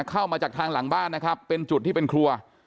เข้ามาจากทางหลังบ้านนะครับเป็นจุดที่เป็นครัว